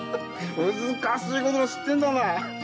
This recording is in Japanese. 難しい言葉知ってるんだな。